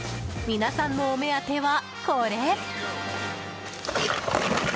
皆さんのお目当てはこれ。